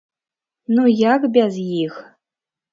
Ну як без іх?